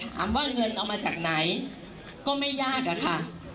เงินเอามาจากไหนก็ไม่ยากอะค่ะ